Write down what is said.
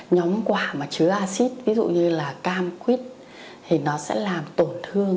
nhóm quả mà chứa acid ví dụ như là cam quýt thì nó sẽ làm tổn thương